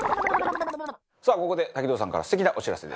さあここで滝藤さんから素敵なお知らせです。